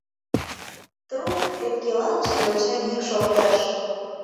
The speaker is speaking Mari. Трук ӧпкелалтше йоча йӱк шоктыш: